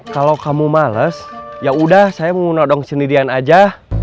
kalau kamu males yaudah saya mau nodong sendirian aja